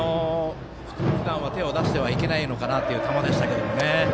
ふだんは、手を出してはいけないのかなという球でしたけどね。